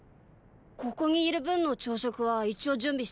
ここにいる分の朝食は一応準備してるよ。